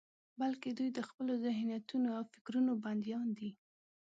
بلکې دوی د خپلو ذهنيتونو او فکرونو بندیان دي.